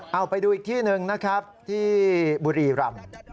เอาไปดูอีกที่หนึ่งนะครับที่บุรีรำ